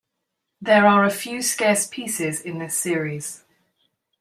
There are a few scarce pieces in this series.